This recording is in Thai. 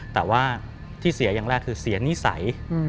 แต่ว่าที่เสียอย่างแรกคือเสียนิสัย